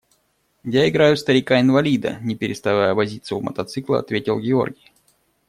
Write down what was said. – Я играю старика инвалида, – не переставая возиться у мотоцикла, ответил Георгий.